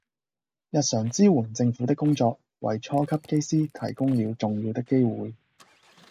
日常支援政府的工作為初級機師提供了重要的機會